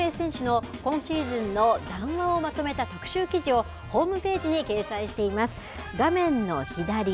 エンジェルスの大谷翔平選手の今シーズンの談話をまとめた特集記事を、ホームページに掲載しています。